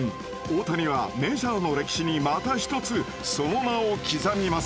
大谷はメジャーの歴史にまた一つその名を刻みます。